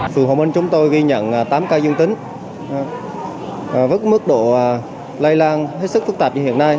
phường hòa minh chúng tôi ghi nhận tám ca dương tính với mức độ lây lan hết sức phức tạp như hiện nay